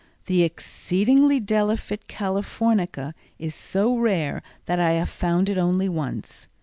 The exceedingly delicate californica is so rare that I have found it only once.